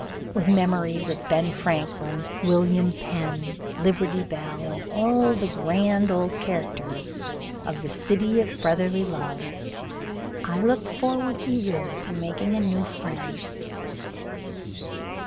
With memories of Ben Franklin, William Penn, Liberty Bell, and all the grand old characters of the City of brotherly Love, I looked forward eagerly to making a new friend.